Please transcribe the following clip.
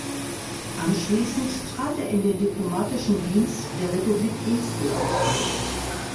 Anschließend trat er in den diplomatischen Dienst der Republik Estland ein.